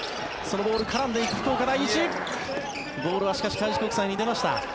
ボールはしかし開志国際に出ました。